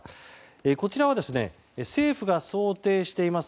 こちらは、政府が想定しています